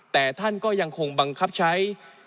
แต่ท่านก็ยังคงบังคับใช้